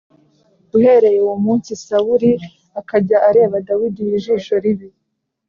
Uhereye uwo munsi, Sawuli akajya areba Dawidi ijisho ribi.